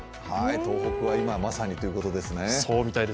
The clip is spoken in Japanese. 東北は今まさにということですね。